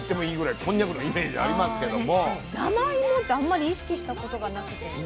でも生芋ってあんまり意識したことがなくて。